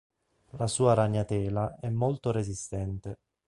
La sua ragnatela è molto resistente.